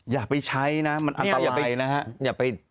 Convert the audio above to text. อย่าไปใช้นะมันอันตรายนะฮะ